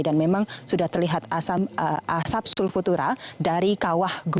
dan memang sudah terlihat asap sulfutura dari kawasan